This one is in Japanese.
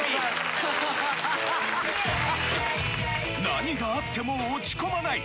何があっても落ち込まない。